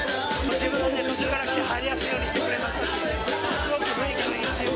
自分が途中から来て、入りやすいようにしてくれましたし、すごく雰囲気のいいチーム。